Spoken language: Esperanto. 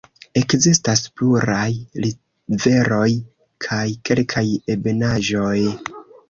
Ekzistas pluraj riveroj kaj kelkaj ebenaĵoj.